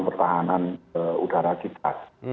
pertahanan udara kita